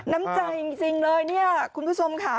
น้ำใจจริงเลยเนี่ยคุณผู้ชมค่ะ